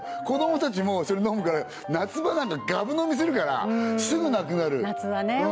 子どもたちもそれ飲むから夏場なんかガブ飲みするからすぐなくなる夏はね